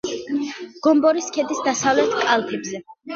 გომბორის ქედის დასავლეთ კალთებზე.